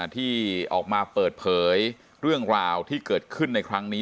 ที่ออกมาเปิดเผยเรื่องราวที่เกิดขึ้นในครั้งนี้